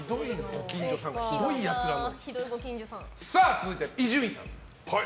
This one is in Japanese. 続いて伊集院さん。